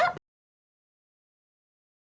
neng pengen puas puasin liat jakarta